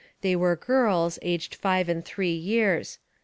They were girls, aged five and three years.